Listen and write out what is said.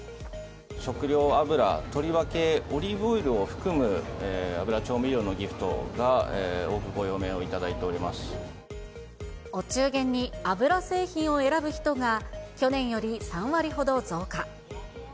食用油、とりわけオリーブオイルを含む油調味料のギフトが、お中元に油製品を選ぶ人が、去年より３割ほど増加。